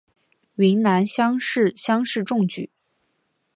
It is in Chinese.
云南乡试乡试中举。